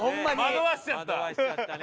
惑わせちゃった。